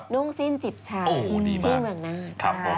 นุ่งสิ้นจิบชาที่เมืองนาธ